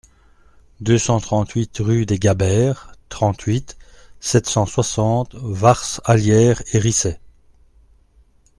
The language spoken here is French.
deux cent trente-huit rue des Gaberts, trente-huit, sept cent soixante, Varces-Allières-et-Risset